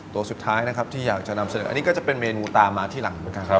ตัวสุดท้ายนะครับที่อยากจะนำเสนออันนี้ก็จะเป็นเมนูตามมาที่หลังเหมือนกัน